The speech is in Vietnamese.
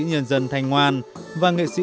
nhân dân thanh ngoan và nghệ sĩ